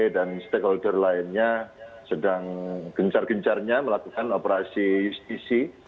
dan stakeholder lainnya sedang gencar gencarnya melakukan operasi justisi